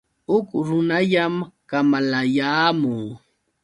Huk runallam kamalayaamun.